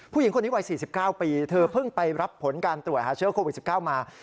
ผู้หญิงคนนี้วัย๔๙ปีเธอเพิ่งไปรับผลการตรวจหาเชื้อโควิด๑๙มา